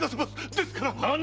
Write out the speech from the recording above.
ですから！